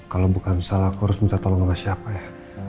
kalau bukan salah aku harus minta tolong sama siapa ya